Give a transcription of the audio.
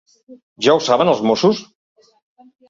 Ja ho saben els Mossos?